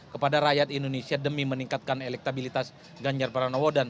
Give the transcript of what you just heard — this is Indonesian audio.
kepada rakyat indonesia demi meningkatkan elektabilitas ganjar para no wodan